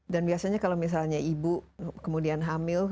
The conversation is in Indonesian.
dan biasanya kalau misalnya ibu kemudian hamil